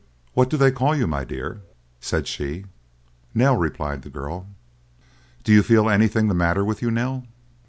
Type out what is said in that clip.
"What do they call you, my dear?" said she. "Nell," replied the girl. "Do you feel anything the matter with you, Nell?"